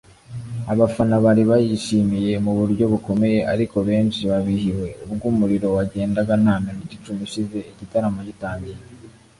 abafana bari bayishimiye mu buryo bukomeye ariko benshi babihiwe ubwo umuriro wagendaga nta minota icumi ishize igitaramo gitangiye